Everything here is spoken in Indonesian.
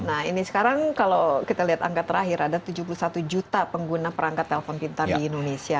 nah ini sekarang kalau kita lihat angka terakhir ada tujuh puluh satu juta pengguna perangkat telepon pintar di indonesia